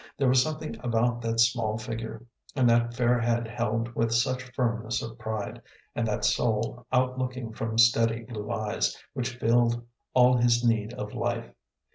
There was something about that small figure, and that fair head held with such firmness of pride, and that soul outlooking from steady blue eyes, which filled all his need of life.